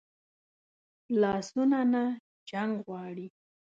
لاسونه نه جنګ غواړي